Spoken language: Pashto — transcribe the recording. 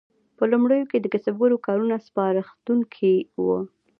په لومړیو کې د کسبګرو کارونه سپارښتونکي وو.